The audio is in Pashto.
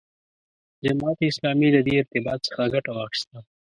جماعت اسلامي له دې ارتباط څخه ګټه واخیسته.